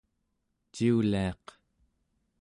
ciuliaq